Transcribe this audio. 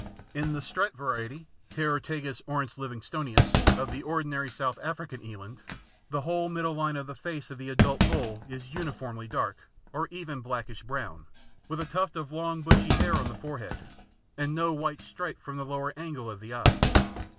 In the striped variety (Taurotragus oryx livingstonianus) of the ordinary South African eland, the whole middle line of the face of the adult bull is uniformly dark, or even blackish brown, with a tuft of long bushy hair on the forehead, and no white stripe from the lower angle of the eye.